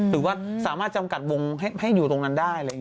หรือว่าสามารถจำกัดวงให้อยู่ตรงนั้นได้